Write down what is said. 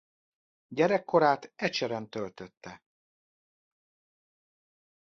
Gyerekkorát Ecseren töltötte.